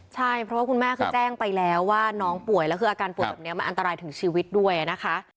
ใช่เพราะว่าคุณแม่คือแจ้งไปแล้วว่าน้องป่วยแล้วคืออาการป่วยแบบนี้มันอันตรายถึงชีวิตด้วยนะคะ